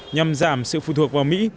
nhằm giảm sự phù thuộc vào mỹ